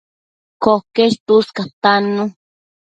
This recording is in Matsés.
Coquesh tuscatannu